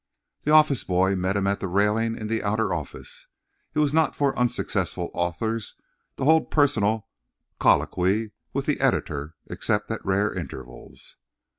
The office boy met him at the railing in the outer office. It was not for unsuccessful authors to hold personal colloquy with the editor except at rare intervals.